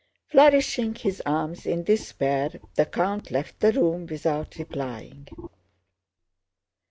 Flourishing his arms in despair the count left the room without replying.